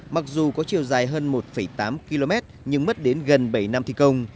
mặc dù có chiều dài hơn một tám km nhưng mất đến gần bảy năm thi công